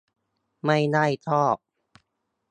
ไม่ได้ชอบ